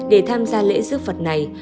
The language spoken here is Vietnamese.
để tham gia lễ giúp phật này